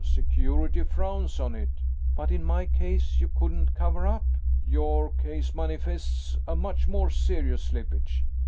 Security frowns on it." "But in my case, you couldn't cover up." "Your case manifests a much more serious slippage.